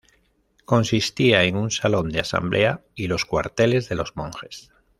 Consistía en un salón de asamblea y los cuarteles de los monjes.